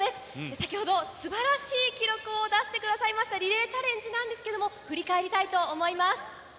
先ほどすばらしい記録を出してくださいましたリレーチャレンジなんですけれども、振り返りたいと思います。